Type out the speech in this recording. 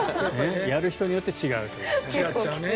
やる人によって違うと。